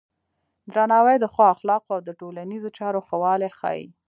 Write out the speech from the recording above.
درناوی د ښو اخلاقو او د ټولنیزو چارو ښه والی ښيي.